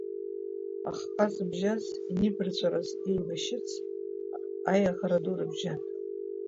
Ахҟа зыбжьаз, инибарҵәараз еибашьырц, аиаӷара ду рыбжьан.